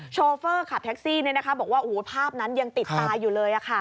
โชเฟอร์ขับแท็กซี่บอกว่าภาพนั้นยังติดตาอยู่เลย